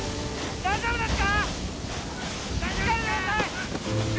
大丈夫ですか？